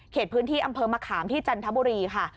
พื้นที่อำเภอมะขามที่จันทบุรีค่ะ